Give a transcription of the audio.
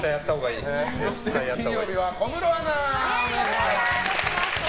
そして、金曜日は小室アナ！